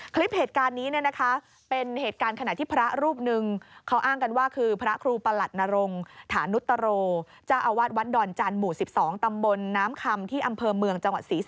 คลิปเหตุการณ์นี้เป็นเหตุการณ์ขณะที่พระรูปหนึ่ง